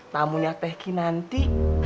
tamunya teh kinanti